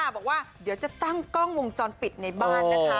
บอกว่าเดี๋ยวจะตั้งกล้องวงจรปิดในบ้านนะคะ